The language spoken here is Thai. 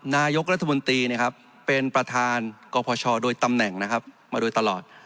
นายกรัฐมนตรีเป็นประธานกพชโดยตำแหน่งนะครับมาโดยตลอด